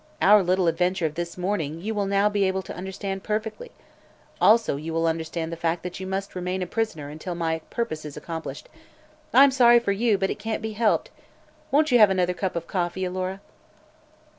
Our little adventure of this morning you will now be able to understand perfectly. Also you will understand the fact that you must remain a prisoner until my purpose is accomplished. I'm sorry for you, but it can't be helped. Won't you have another cup of coffee, Alora?"